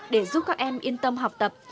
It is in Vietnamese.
để giúp các em yên tâm học tập